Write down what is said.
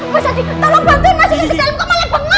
mas reddy tolong bantuin mas reddy ke dalam kok malik banget